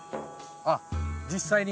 あっ実際に？